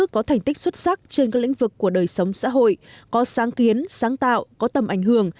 có thành tích xuất sắc trên các lĩnh vực của đời sống xã hội có sáng kiến sáng tạo có tầm ảnh hưởng